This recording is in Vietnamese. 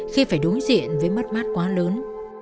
khi phải đối diện với mất mát quá lớn